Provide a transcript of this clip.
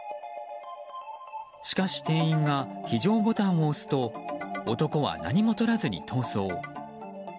しかし店員が非常ボタンを押すと男は何もとらずに逃走。